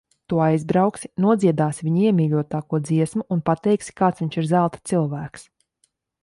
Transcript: Tu aizbrauksi, nodziedāsi viņa iemīļotāko dziesmu un pateiksi, kāds viņš ir zelta cilvēks.